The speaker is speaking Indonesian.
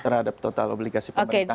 terhadap total obligasi pemerintah